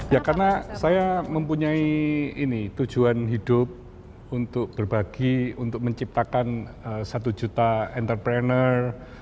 ya karena saya mempunyai tujuan hidup untuk berbagi untuk menciptakan satu juta entrepreneur